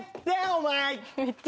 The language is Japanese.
お前。